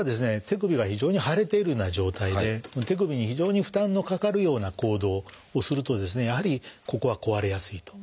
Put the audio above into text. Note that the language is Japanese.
手首が非常に腫れているような状態で手首に非常に負担のかかるような行動をするとですねやはりここは壊れやすいと。